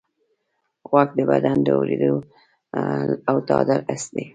غوږ د بدن د اورېدو او تعادل حس دی.